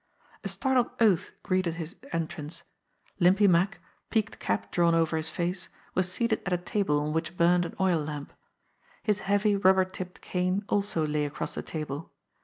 A startled oath greeted his entrance. Limpy Mack, peaked cap drawn over his eyes, was seated at a table on which burned an oil lamp. His heavy, rubber tipped cane also lay across the table.